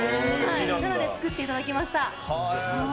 なので作っていただきました。